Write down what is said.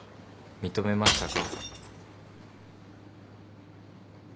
認めましたか？